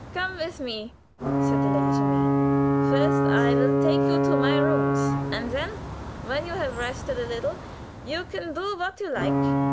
"Come with me," said the lady to me. "First I will take you to my rooms, and then when you have rested a little you can do what you like."